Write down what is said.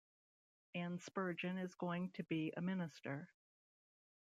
Ann Spurgeon is going to be a minister.